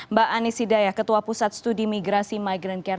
mbak anis hidayah ketua pusat studi migrasi migran care